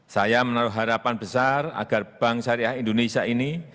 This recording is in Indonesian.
saya menaruh harapan besar agar bank syariah indonesia ini